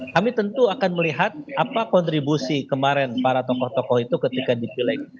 kami tentu akan melihat apa kontribusi kemarin para tokoh tokoh itu ketika dipilih